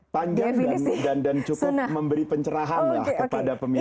panjang dan cukup memberi pencerahan lah kepada pemilih